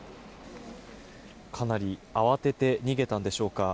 かなり慌てて逃げたんでしょうか。